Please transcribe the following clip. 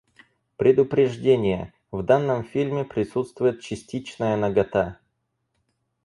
Предупреждение! В данном фильме присутствует частичная нагота.